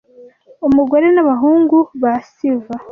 umugore n’abahungu ba Siva